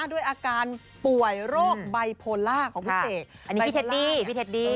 ด้วยอาการป่วยโรคไบโพล่าของพี่เสกอันนี้พี่เทดดี้พี่เทดดี้